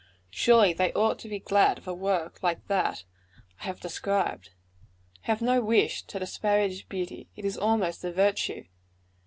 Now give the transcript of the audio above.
Surely they ought to be glad of a work like that I have described. I have no wish to disparage beauty; it is almost a virtue.